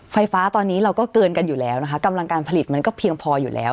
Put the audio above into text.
ไฟฟ้าตอนนี้เราก็เกินกันอยู่แล้วนะคะกำลังการผลิตมันก็เพียงพออยู่แล้ว